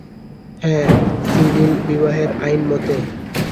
হাঁ, সিভিল বিবাহের আইন-মতে।